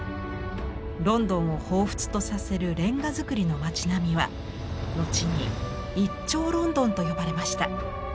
ロンドンをほうふつとさせるレンガ造りの町並みは後に「一丁倫敦」と呼ばれました。